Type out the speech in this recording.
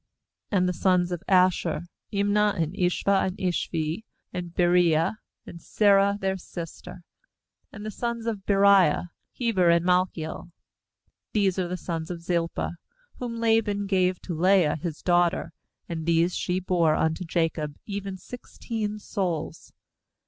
17And the sons o'f Asher: Imnah, and Ish vah, and Ishvi, and Beriah, and Serah their sister; and the sons of Beriah: Heber, and Malchiel. 18These are the sons of Zilpah, whom Laban gave to Leah his daughter, and these she bore unto Jacob, even sixteen souls.